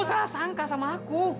salah sangka sama aku